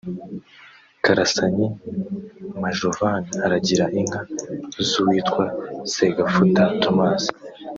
Karasanyi Majovan aragira inka z’uwitwa Segafuta Thomas